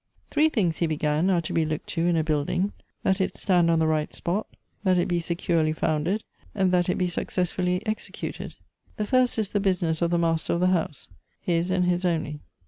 " Three things," he began, " are to be looked to in a building — that it stand on the right spot; that it, be securely founded ; that it be successfully executed. The first is the business of the master of the house — his and his only.